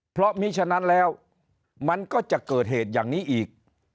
เพราะมีฉะนั้นแล้วมันก็จะเกิดเหตุอย่างนี้อีก